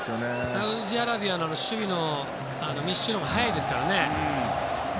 サウジアラビアの守備の密集のほうが速いですからね。